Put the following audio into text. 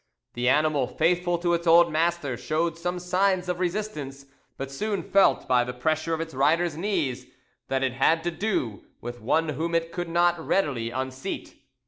The animal, faithful to its old master, showed some signs of resistance, but soon felt by the pressure of its rider's knees that it had to do with one whom it could not readily unseat.